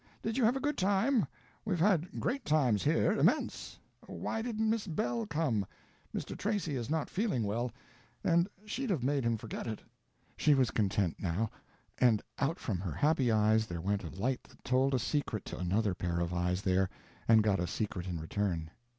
Did you have a good time? We've had great times here—immense. Why didn't Miss Belle come? Mr. Tracy is not feeling well, and she'd have made him forget it." She was content now; and out from her happy eyes there went a light that told a secret to another pair of eyes there and got a secret in return.